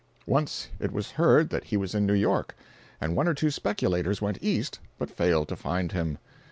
Once it was heard that he was in New York, and one or two speculators went east but failed to find him.